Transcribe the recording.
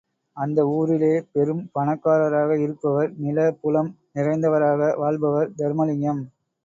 அந்த ஊரிலே பெரும் பணக்காரராக இருப்பவர், நில புலம் நிறைந்தவராக வாழ்பவர் தருமலிங்கம்.